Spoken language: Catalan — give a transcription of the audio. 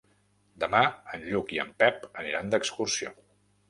Demà en Lluc i en Pep aniran d'excursió.